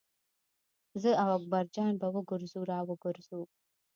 زه او اکبر جان به وګرځو را وګرځو.